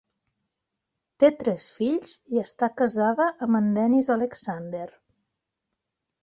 Té tres fills i està casada amb en Dennis Alexander.